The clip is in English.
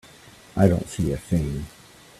I don't see a thing.